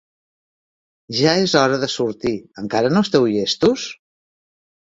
Ja és hora de sortir: encara no esteu llestos?